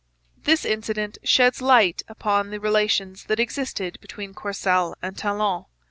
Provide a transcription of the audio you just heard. This incident sheds light upon the relations that existed between Courcelle and Talon.